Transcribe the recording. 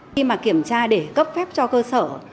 khi mà kiểm tra để cấp phép cho cơ sở